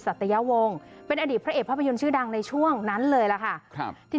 สัตยาว์เป็นอดีตพระเอกภาพยนตร์ชื่อดังในช่วงนั้นเลยล่ะค่ะครับที่